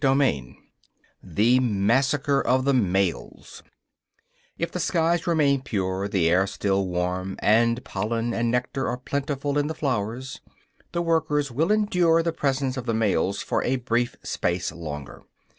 V THE MASSACRE OF THE MALES If the skies remain pure, the air still warm, and pollen and nectar are plentiful in the flowers, the workers will endure the presence of the males for a brief space longer.